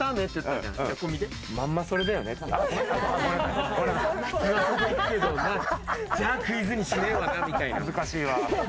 じゃあ、クイズにしねえわな、みたいな。